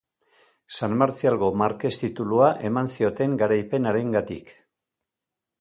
San Martzialgo markes-titulua eman zioten garaipen harengatik.